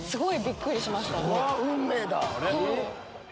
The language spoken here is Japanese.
運命だ！